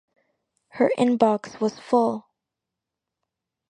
Her inbox was full.